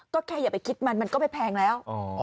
ก็แค่อย่าไปคิดมันมันก็ไม่แพงแล้ว